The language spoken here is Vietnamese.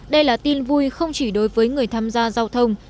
đây là tin vui không chỉ đối với người tham gia giao thông